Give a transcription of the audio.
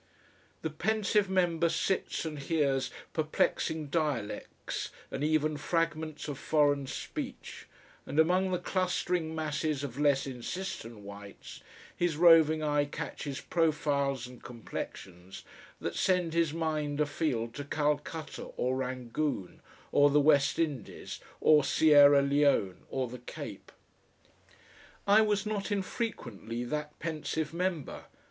The pensive member sits and hears perplexing dialects and even fragments of foreign speech, and among the clustering masses of less insistent whites his roving eye catches profiles and complexions that send his mind afield to Calcutta or Rangoon or the West Indies or Sierra Leone or the Cape.... I was not infrequently that pensive member.